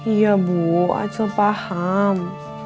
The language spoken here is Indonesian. iya bu acil paham